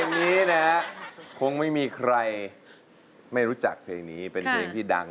มีคนโอภาคไม่ต้องใช้